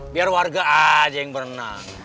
biar warga aja yang berenang